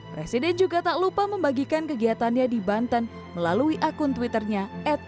presiden juga tak lupa membagikan kegiatannya di banten melalui akun twitternya